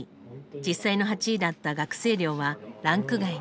実際の８位だった「学生寮」はランク外に。